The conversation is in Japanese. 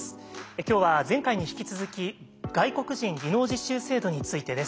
今日は前回に引き続き「外国人技能実習制度」についてです。